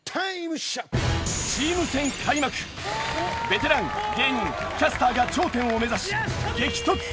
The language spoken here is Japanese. ベテラン芸人キャスターが頂点を目指し激突！